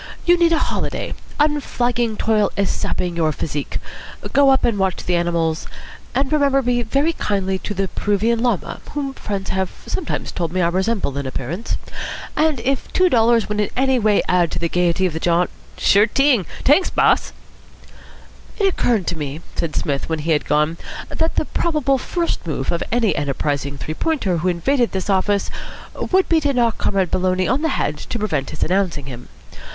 You need a holiday. Unflagging toil is sapping your physique. Go up and watch the animals, and remember me very kindly to the Peruvian Llama, whom friends have sometimes told me I resemble in appearance. And if two dollars would in any way add to the gaiety of the jaunt ..." "Sure t'ing. T'anks, boss." "It occurred to me," said Psmith, when he had gone, "that the probable first move of any enterprising Three Pointer who invaded this office would be to knock Comrade Maloney on the head to prevent his announcing him.